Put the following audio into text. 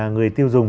người tiêu dùng